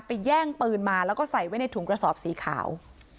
แย่งปืนมาแล้วก็ใส่ไว้ในถุงกระสอบสีขาว